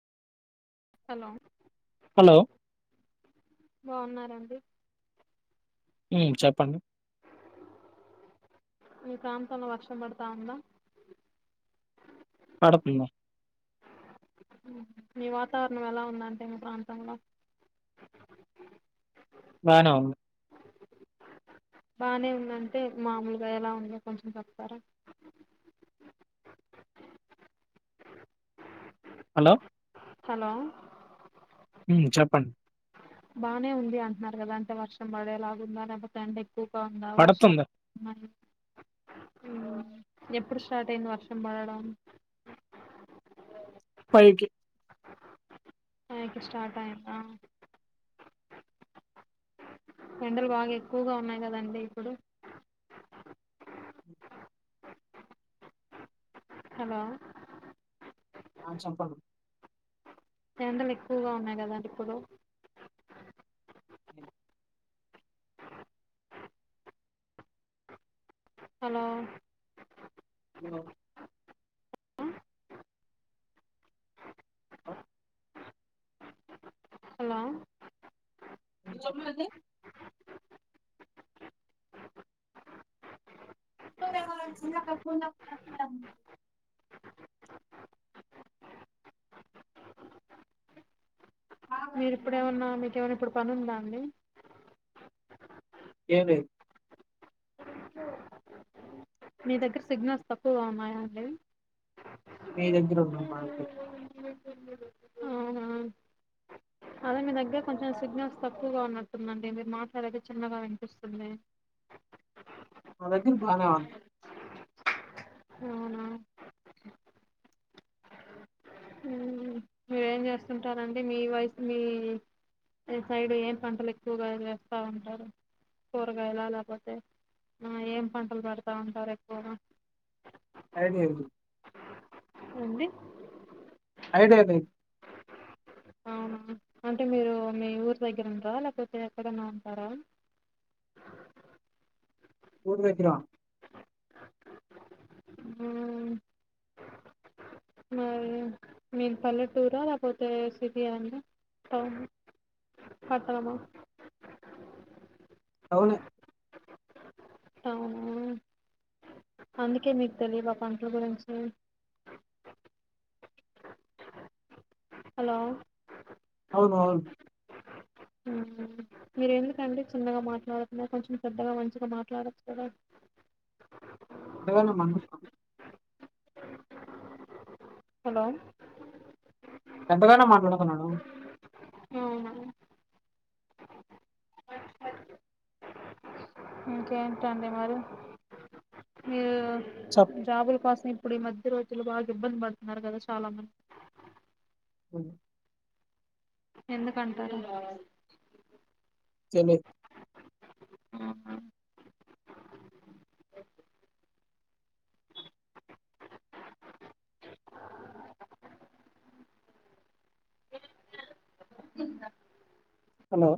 Hello hello! బాగున్నారా అండీ ఉ చెప్పండి మీ ప్రాంతంలో వర్షం పడతాదా పడతది మీ వాతావరణం ఎలా ఉందంటే మీ ప్రాంతంలో బానే ఉంది బానే ఉందంటే మామూలుగా ఎలా ఉంది కొంచెం చెప్తారా [inaudible] హలో హలో ఉ చెప్పండి బాగానే ఉంది అంటున్నారు కదా అంటే వర్షం పడేలాగు ఉందా లేపోతే ఎన్డే ఎక్కువగా ఉందా వర్షా పడుతుంది. ఎప్పుడు స్టార్ట్ అయింది వర్షం పడడం ఫైవ్ కీ ఫీవకి స్టార్ట్ అయింద ఎండలు బాగ ఎక్కువగా ఉన్నాయి కదండి ఇప్పుడు హలో ఆ చెప్పండి ఎండలు ఎక్కువగా ఉన్నాయి కదండి ఇప్పుడు హలో ఆ హ హలో లోమాదే నువ్వేమో నాకు చిన్న అక్కకి మీరుప్పుడేమన్నా మీకేమైనా ఇప్పుడు పని ఉందా అండి లేదు మీ దగ్గర సిగ్నల్స్ తక్కువగా ఉన్నాయ అండి మీ దగ్గర ఉన్నా మా అవునా అదే మీ దగ్గర కొంచెం సిగ్నల్స్ తక్కువగా ఉన్నట్టుందండి మీరు మాట్లాడేది చిన్నగా వినిపిస్తుంది మా దగ్గర బానే ఉంది అవునా మ్మ్. మీరేం చేస్తుంటారండి మీ వైఫ మీ ఈ సైడ్ ఏం పంటలు ఎక్కువగా వేస్తా ఉంటారు కూరగాయల లేపోతే ఏం పంటలు పడతా ఉంటారు ఎక్కువగా ఐడియా ల్ ఏంది ఐడియా లేదు వు అంటే మీరు మీ ఊరు దగ్గర ఉండరా లేకపోతే ఎక్కడన్నా ఉంటారా అ ఊరు దగ్గర ఉ ఉ మీరు పల్లెటూరా లేపోతే సిటీయాన్ టౌన్ పట్టనమా టౌనే అవును. అందుకే మీకు తెలియవ కంక్లూజన్ గురించి. హలో. అవును అవును. ఉమ్ మీరేందుకండి చిన్నగా మాట్లాడుతున్నారు కొంచెం పెద్దగా మంచిగా మాట్లాడచ్చు కదా. ఏందమ్మా. హలో. గట్టిగానే మాట్లాడుతున్నాను. అవునా ఆహ్. ఇంకేంటండి మీరు. చెప్పు. జాబుల కోసం ఇప్పుడు ఈ మధ్య రోజులు బాగా ఇబ్బంది పడుతున్నారు కదా చాలా మంది. అవ్. ఎందుకంటారు. తెలీదు. ఆహ్ ఆహ్. హలో.